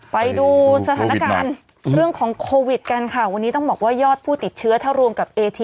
ไปดูสถานการณ์เรื่องของครับวันนี้ต้องบอกว่ายอดผู้ติดเชื้อเท่าโรงกับ